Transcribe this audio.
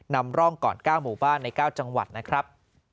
นำร่องก่อน๙หมู่บ้านใน๙จังหวัดนะครับ